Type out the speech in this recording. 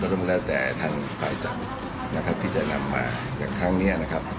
ต้องแล้วแต่ทางฝ่ายจำนะครับที่จะนำมาอย่างครั้งนี้นะครับ